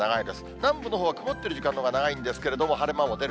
南部のほうは曇ってる時間のほうが長いんですけれども、晴れ間も出る。